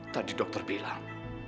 tadi dokter bilang